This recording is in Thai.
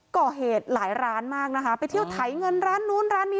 ก่อเหตุหลายร้านมากนะคะไปเที่ยวไถเงินร้านนู้นร้านนี้